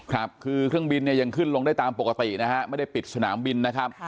ครับคือเครื่องบินเนี่ยยังขึ้นลงได้ตามปกตินะฮะไม่ได้ปิดสนามบินนะครับ